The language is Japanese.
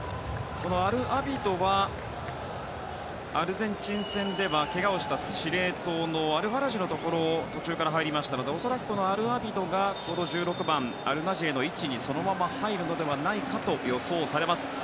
アルアビドはアルゼンチン戦ではけがをした司令塔のアルファラジュのところに途中から入りましたので、恐らく１６番、アルナジェイの位置にそのまま入るのではと予想されます。